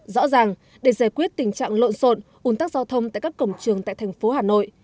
rõ ràng để giải quyết tình trạng lộn xộn un tắc giao thông tại các cổng trường tại tp hà nội